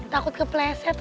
takut kepleset kok ya